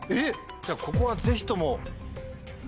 じゃここはぜひとも。